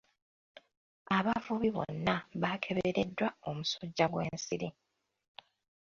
Abavubi bonna baakebereddwa omusujja gw'ensiri.